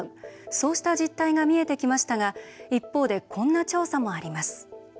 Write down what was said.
そうした実態が見えてきましたが一方でこんな調査もあります。